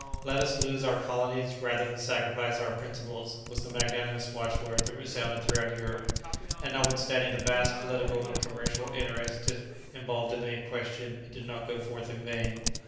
"Let us lose our colonies rather than sacrifice our principles," was the magnanimous watchword that resounded throughout Europe, and notwithstanding the vast political and commercial interests involved in the question, it did not go forth in vain.